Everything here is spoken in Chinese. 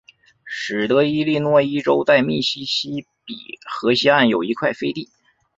使得伊利诺伊州在密西西比河西岸有一块飞地。